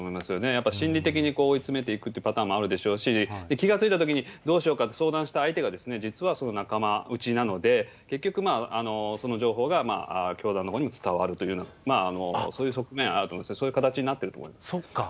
やっぱり心理的に追い詰めていくというパターンもあるでしょうし、気が付いたときに、どうしようかって相談した相手が、実は仲間内なので、結局、その情報が教団のほうにも伝わるというような、そういう側面があると思うんですが、そういう形になっていると思そっか。